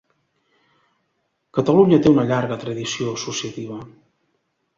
Catalunya té una llarga tradició associativa.